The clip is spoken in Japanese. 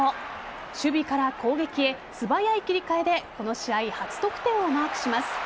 守備から攻撃へ素早い切り換えでこの試合初得点をマークします。